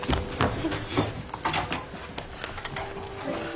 すいません！